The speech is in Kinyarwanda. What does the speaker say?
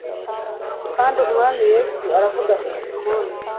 kandi umwami yesu aravuga ati simoni